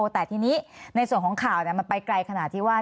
แต่ทีนี้ในส่วนของข่าวมันไปไกลขนาดที่ว่า